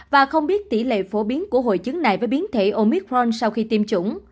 và không biết tỷ lệ phổ biến của hội chứng này với biến thể omicron sau khi tiêm chủng